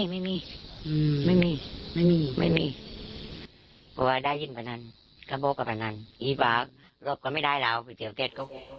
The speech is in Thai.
พี่พิวพอไม่ลองไฟวาดดังแบวโอ๊ยเป็นเด็งก็โอ้ย